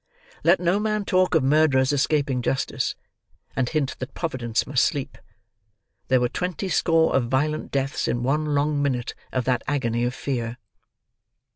Let no man talk of murderers escaping justice, and hint that Providence must sleep. There were twenty score of violent deaths in one long minute of that agony of fear.